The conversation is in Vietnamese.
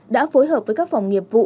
đã phối hợp với các phòng nghiệp vụ